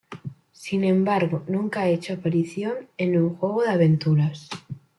Sin embargo nunca ha hecho aparición en un juego de aventuras.